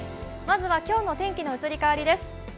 今日の天気の移り変わりです。